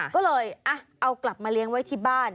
ก็เลยเอากลับมาเลี้ยงไว้ที่บ้าน